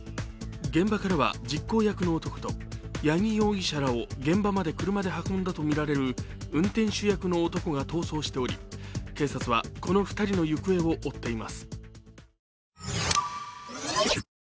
現場からは実行役の男と八木容疑者らを現場まで運んだとみられる運転手役の男が逃走しており警察は、この２人の行方を追っています。